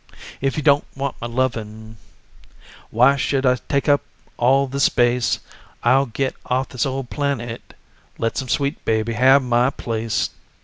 If you don't want my lovin', Why should I take up all this space? I'll get off this old planet, Let some sweet baby have my place.